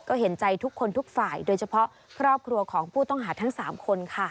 ก็เห็นใจทุกคนทุกฝ่ายโดยเฉพาะครอบครัวของผู้ต้องหาทั้ง๓คนค่ะ